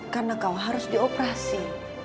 karena kau harus dioperasi